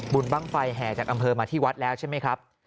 บ้างไฟแห่จากอำเภอมาที่วัดแล้วใช่ไหมครับ